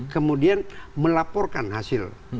kemudian melaporkan hasil